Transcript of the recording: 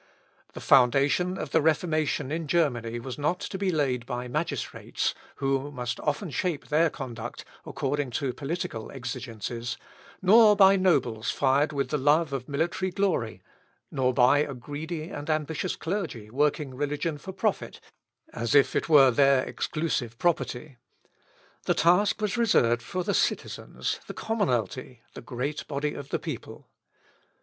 The foundation of the Reformation in Germany was not to be laid by magistrates, who must often shape their conduct according to political exigencies, nor by nobles fired with the love of military glory, nor by a greedy and ambitious clergy, working religion for profit, as if it were their exclusive property. The task was reserved for the citizens, the commonalty, the great body of the people.